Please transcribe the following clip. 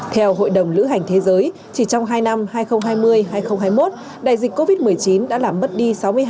theo hội đồng lữ hành thế giới chỉ trong hai năm hai nghìn hai mươi hai nghìn hai mươi một đại dịch covid một mươi chín đã làm mất đi sáu mươi hai